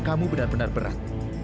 kamu benar benar berat